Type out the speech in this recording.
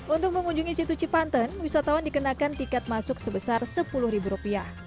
untuk mengunjungi situ cipanten wisatawan dikenakan tiket masuk sebesar sepuluh ribu rupiah